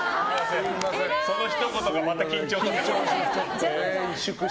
そのひと言がまた緊張させる。